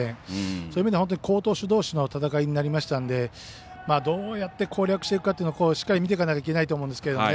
そういう意味では本当に好投手同士の戦いになりましたのでどうやって攻略していくかってしっかり見ていかなきゃいけないと思うんですけどね。